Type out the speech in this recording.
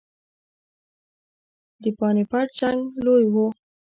د پاني پټ جنګ لوی وو.